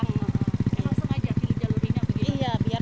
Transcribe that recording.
langsung aja pilih jalurinya